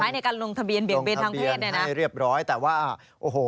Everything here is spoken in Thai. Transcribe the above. ให้เรียบร้อยแต่ว่าโอ้โห